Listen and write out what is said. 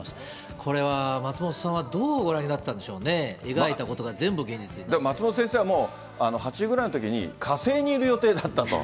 これは松本さんはどうご覧になってたんでしょうね、松本先生はもう、８０ぐらいのときに火星にいる予定だったと。